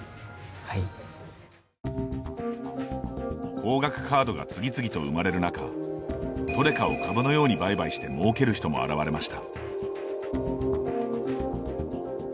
高額カードが次々と生まれる中トレカを株のように売買してもうける人も現れました。